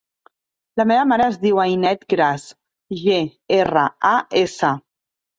La meva mare es diu Ainet Gras: ge, erra, a, essa.